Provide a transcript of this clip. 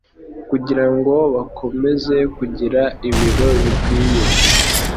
kugira ngo akomeze kugira ibiro bikwiye.